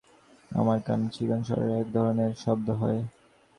আমার কানে চিকন স্বরের এক ধরনের শব্দ হয়।